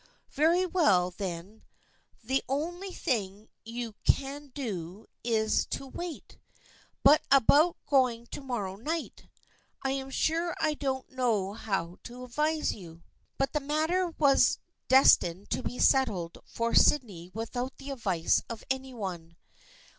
" Very well, then, the only thing you can do is to wait. But about going to morrow night. I am sure I don't know how to advise you." But the matter was destined to be settled for Sydney without the advice of any one.